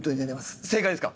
正解ですか？